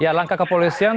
ya langkah kepolisian